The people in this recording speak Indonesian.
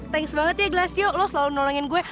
thanks banget ya glacio lo selalu nolongin gue